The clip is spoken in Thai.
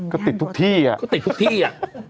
ขออีกทีอ่านอีกที